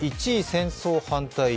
１位、＃戦争反対。